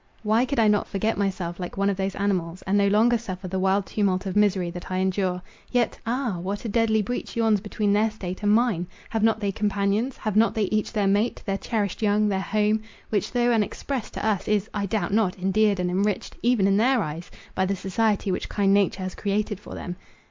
Why could I not forget myself like one of those animals, and no longer suffer the wild tumult of misery that I endure? Yet, ah! what a deadly breach yawns between their state and mine! Have not they companions? Have not they each their mate—their cherished young, their home, which, though unexpressed to us, is, I doubt not, endeared and enriched, even in their eyes, by the society which kind nature has created for them?